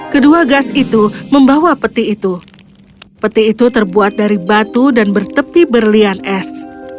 kedua gas itu membawa peti itu peti itu terbuat dari batu dan bertepi berlian es